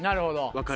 分かる。